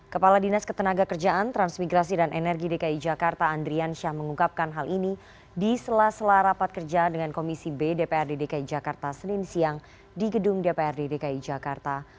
kepala dinas ketenaga kerjaan transmigrasi dan energi dki jakarta andrian syah mengungkapkan hal ini di sela sela rapat kerja dengan komisi b dprd dki jakarta senin siang di gedung dprd dki jakarta